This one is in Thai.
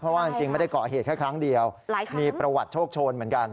เพราะว่าจริงไม่ได้เกาะเหตุแค่ครั้งเดียวมีประวัติโชคโชนเหมือนกัน